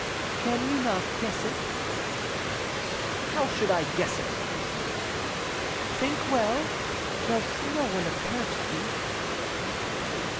"Can you not guess it?" "How should I guess it?" "Think well. Does no one occur to you?"